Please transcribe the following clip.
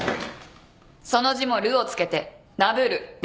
その字も「る」を付けて「なぶる」です。